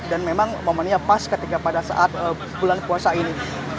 dan memang momennya pas ketika pada saat bulan puasa ini